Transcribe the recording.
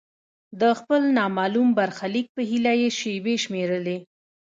د خپل نامعلوم برخلیک په هیله یې شیبې شمیرلې.